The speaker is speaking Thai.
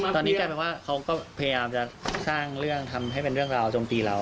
ตอนนี้กลายเป็นว่าเขาก็พยายามจะสร้างเรื่องทำให้เป็นเรื่องราวจมตีเรา